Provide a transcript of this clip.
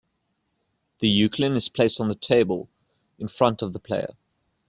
The ukelin is placed on the table in front of the player.